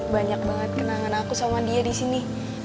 banyak banget kenangan aku sama dia di sini